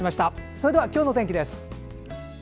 それでは今日の天気です。